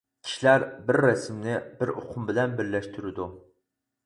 كىشىلەر بىر رەسىمنى بىر ئۇقۇم بىلەن بىرلەشتۈرىدۇ.